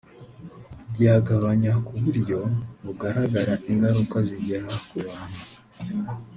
byagabanya ku buryo bugaragara ingaruka zigera ku bantu